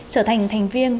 trở thành thành viên